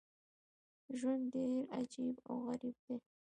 ژوند ډېر عجیب او غریب دی.